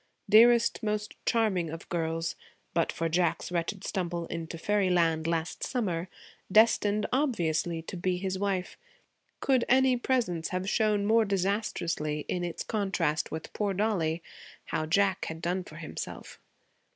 Dearest, most charming of girls, but for Jack's wretched stumble into 'fairyland' last summer, destined obviously to be his wife, could any presence have shown more disastrously, in its contrast with poor Dollie, how Jack had done for himself?